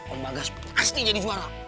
om bagas pasti jadi juara